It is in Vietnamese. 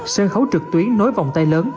sân khấu trực tuyến nối vòng tay lớn